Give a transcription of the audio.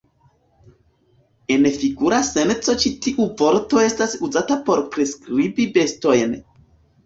En figura senco ĉi tiu vorto estas uzata por priskribi bestojn.